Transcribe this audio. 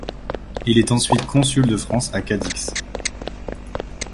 Il est ensuite consul de France à Cadix.